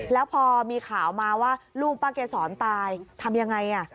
แล้วพอมีข่าวมาว่าลูกป้าเกษรตายทำยังไง